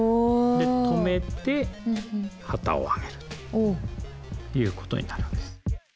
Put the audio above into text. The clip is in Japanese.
で止めて旗を上げるということになるわけです。